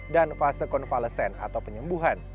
dan fase konvalesen atau penyembuhan